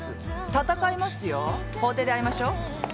闘いますよ法廷で会いましょ。